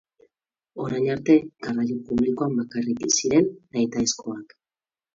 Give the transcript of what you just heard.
Orain arte garraio publikoan bakarrik ziren nahitaezkoak.